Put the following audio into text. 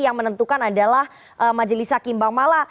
yang menentukan adalah majelis hakim bang mala